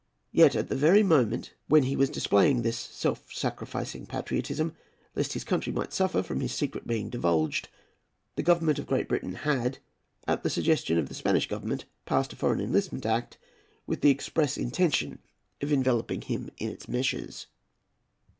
Yet, at the very moment when he was displaying this self sacrificing patriotism, lest his country might suffer from his secret being divulged, the Government of Great Britain had, at the suggestion of the Spanish Government, passed a "Foreign Enlistment Act," with the express intention of enveloping him in its meshes.